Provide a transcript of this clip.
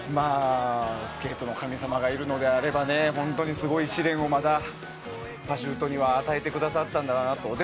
スケートの神様がいるのであれば本当にすごい試練をまだパシュートには与えてくださったんだな、と。